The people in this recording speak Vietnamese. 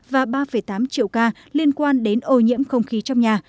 và ba tám triệu ca liên quan đến ô nhiễm không khí trong nhà